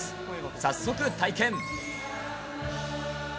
早速体験。